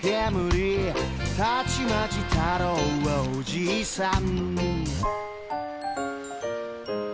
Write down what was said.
「たちまち太郎はおじいさん」